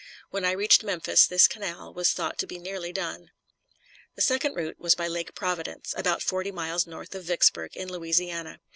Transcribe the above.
When I reached Memphis this canal was thought to be nearly done. The second route was by Lake Providence, about forty miles north of Vicksburg, in Louisiana.